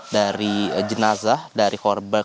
dari jenazah dari korban